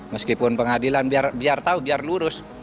meskipun pengadilan biar tahu biar lurus